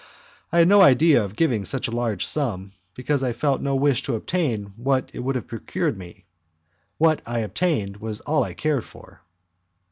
I had no idea of giving such a large sum, because I felt no wish to obtain what it would have procured me; what I obtained was all I cared for.